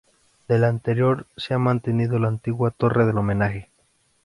Del anterior se ha mantenido la antigua torre del homenaje.